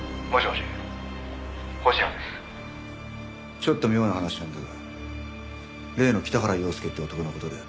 ちょっと妙な話なんだが例の北原陽介って男の事で。